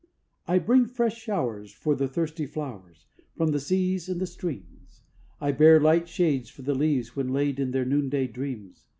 I bring fresh showers for the thirsty flowers, From the seas and the streams; I bear light shades for the leaves when laid In their noonday dreams.